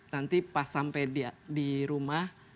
nanti pas sampai di rumah